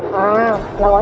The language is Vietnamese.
cái này ngang rồi